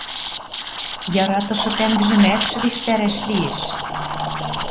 Яратышы тӓнгжӹмӓт шӹдештӓрӓш лиэш